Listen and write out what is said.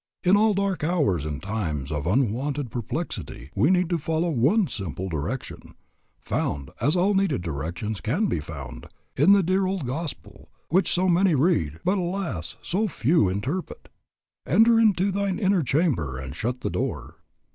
... In all dark hours and times of unwonted perplexity we need to follow one simple direction, found, as all needed directions can be found, in the dear old gospel, which so many read, but alas, so few interpret. 'Enter into thine inner chamber and shut the door.'